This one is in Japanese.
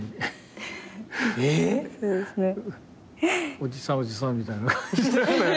「おじさんおじさん」みたいな。